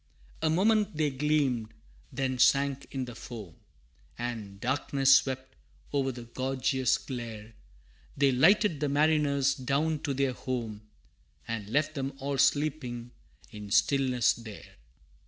A moment they gleamed, then sank in the foam, And darkness swept over the gorgeous glare They lighted the mariners down to their home, And left them all sleeping in stillness there!